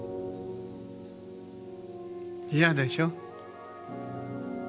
嫌でしょ？